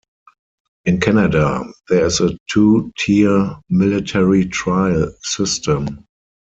In Canada, there is a two-tier military trial system.